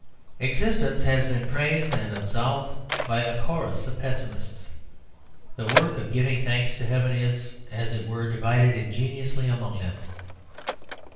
Existence has been praised and absolved by a chorus of pessimists. The work of giving thanks to Heaven is, as it were, divided ingeniously among them.